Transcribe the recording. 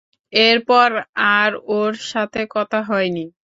এরপর আর ওর সাথে কথা হয়নি।